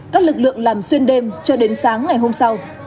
các lực lượng làm xuyên đêm cho đến sáng ngày hôm sau